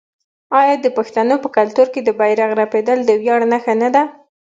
آیا د پښتنو په کلتور کې د بیرغ رپیدل د ویاړ نښه نه ده؟